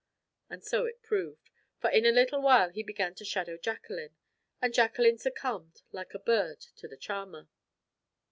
And so it proved; for in a little while he began to shadow Jacqueline, and Jacqueline succumbed like a bird to the charmer.